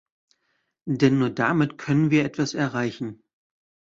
Denn nur damit können wir etwas erreichen.